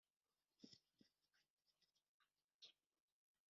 Iyo mukomeje gushyira hamwe kandi mugashyira mu bikorwa amahame ya Bibiliya